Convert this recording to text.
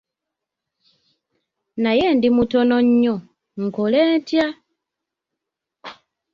Naye ndi mutono nnyo, nkole ntya?